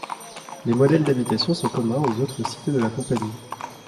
Les modèles d'habitations sont communs aux autres cités de la Compagnie.